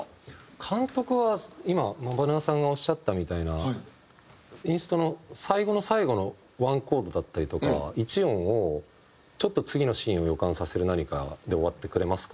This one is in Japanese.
監督は今ｍａｂａｎｕａさんがおっしゃったみたいなインストの最後の最後の１コードだったりとか１音をちょっと次のシーンを予感させる何かで終わってくれますか？